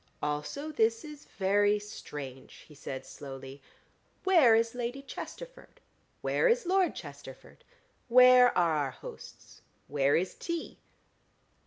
"Also this is very strange," he said slowly. "Where is Lady Chesterford? Where is Lord Chesterford? Where are our hosts? Where is tea?"